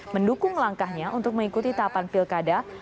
mendukung langkahnya untuk mengikuti tahapan pilkada